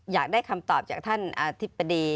อยากได้คำตอบจากท่านอธิบดี